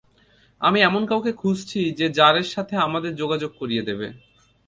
আমি এমন কাউকে খুঁজছি যে জারের সাথে আমাদের যোগাযোগ করিয়ে দেবে।